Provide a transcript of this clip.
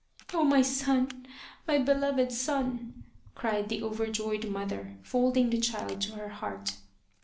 " Oh, my son, my beloved son !" cried the over joyed mother, folding the child to her heart.